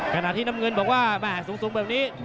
ขณะที่น้ำเงินบอกว่าแม่สูงแบบนี้